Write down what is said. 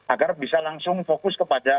agar bisa langsung fokus kepada